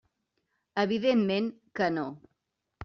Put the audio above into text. Evidentment que no.